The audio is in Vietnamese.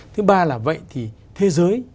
thứ ba là vậy thì thế giới